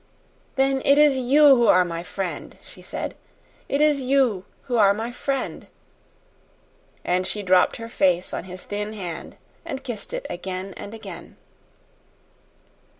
"Then it is you who are my friend," she said; "it is you who are my friend!" And she dropped her face on his thin hand and kissed it again and again.